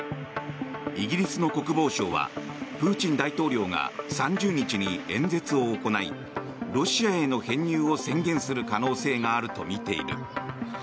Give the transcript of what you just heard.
イギリスの国防省はプーチン大統領が３０日に演説を行いロシアへの編入を宣言する可能性があるとみている。